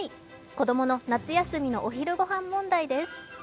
子供の夏休みのお昼ご飯問題です。